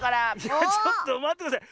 ちょっとまってください。